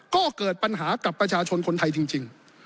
ก็เกิดปัญหากับประชาชนคนไทยจริง